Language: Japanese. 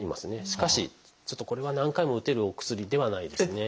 しかしちょっとこれは何回も打てるお薬ではないですね。